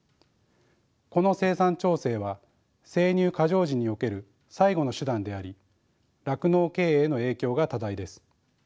この生産調整は生乳過剰時における最後の手段であり酪農経営への影響が多大です。